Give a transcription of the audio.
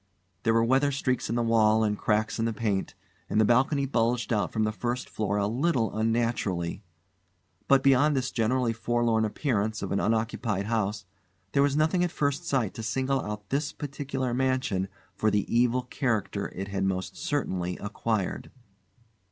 There were weather streaks in the wall and cracks in the paint, and the balcony bulged out from the first floor a little unnaturally. But, beyond this generally forlorn appearance of an unoccupied house, there was nothing at first sight to single out this particular mansion for the evil character it had most certainly acquired.